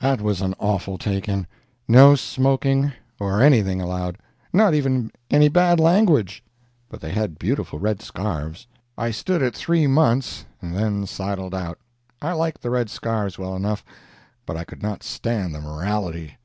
That was an awful take in; no smoking or anything allowed—not even any bad language; but they had beautiful red scarfs. I stood it three months, and then sidled out. I liked the red scarfs well enough, but I could not stand the morality.